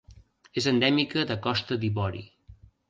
És endèmica de Costa d'Ivori.